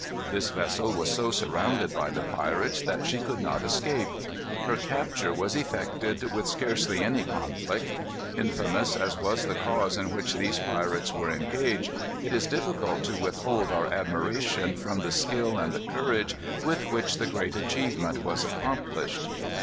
This vessel was so surrounded by the pirates that she could not escape. Her capture was effected with scarcely any conflict. Infamous as was the cause in which these pirates were engaged, it is difficult to withhold our admiration from the skill and the courage with which the great achievement was accomplished.